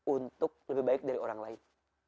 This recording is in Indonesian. untuk lebih baik dari orang lain